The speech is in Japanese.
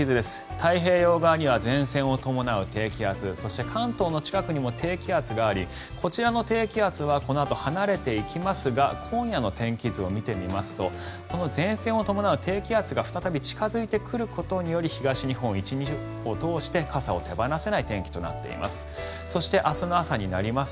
太平洋側には前線を伴う低気圧そして関東の近くにも低気圧がありこちらの低気圧はこのあと離れていきますが今夜の天気図を見てみますと前線を伴う低気圧が再び近付いてくることにより東日本、１日を通して傘が手放せない天気となっています。